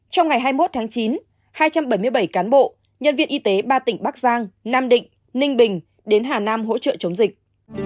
trong ngày hai mươi một tháng chín hai trăm bảy mươi bảy cán bộ nhân viên y tế ba tỉnh bắc giang nam định ninh bình đến hà nam hỗ trợ chống dịch